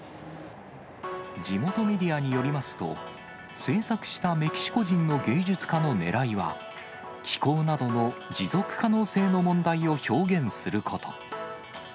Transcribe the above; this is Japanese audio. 地元メディアによりますと、制作したメキシコ人の芸術家のねらいは、気候などの持続可能性の問題を表現すること。